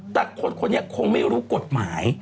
แต่คนนี้คงไม่รู้กฎหมาย